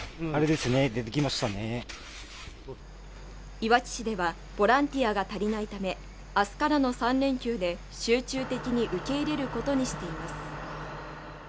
いわき市ではボランティアが足りないため明日からの３連休で集中的に受け入れることにしています